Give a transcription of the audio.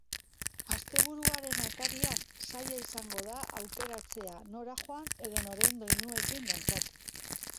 Asteburuaren atarian, zaila izango da aukeratzea nora joan eta noren doinuekin dantzatu.